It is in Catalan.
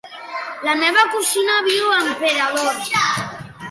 La meva cosina viu a Emperador.